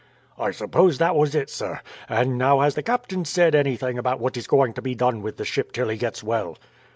"I suppose that was it, sir. And now, has the captain said anything about what is going to be done with the ship till he gets well?"